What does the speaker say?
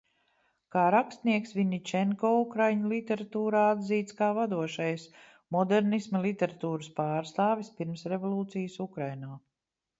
Kā rakstnieks Vinničenko ukraiņu literatūrā atzīts kā vadošais modernisma literatūras pārstāvis pirmsrevolūcijas Ukrainā.